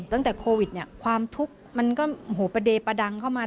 ตั้งแต่โควิดเนี่ยความทุกข์มันก็ประเดประดังเข้ามา